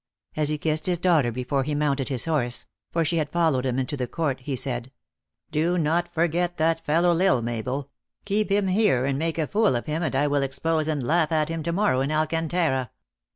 As he kissed his daughter before he mounted his horse for she had followed him into the court he said :" Do not forget that fellow L Isle, Mabel ; keep him here, and make a fool of him, and I will expose and laugh at him to morrow in Alcan tara."